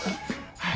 はい。